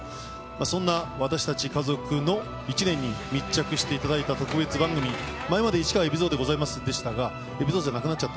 そんな私たち家族の一年に密着していただいた特別番組、前まで市川海老蔵でございましたが、海老蔵じゃなくなっちゃった